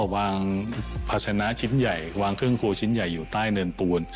วางภาชนะชิ้นใหญ่วางเครื่องครัวชิ้นใหญ่อยู่ใต้เนินปูน